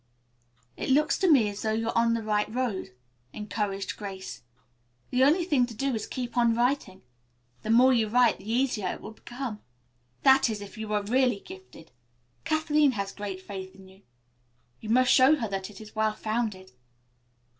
"It looks to me as though you were on the right road," encouraged Grace. "The only thing to do is to keep on writing. The more you write the easier it will become that is, if you are really gifted. Kathleen has great faith in you. You must show her that it is well founded."